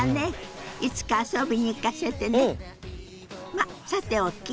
まあさておき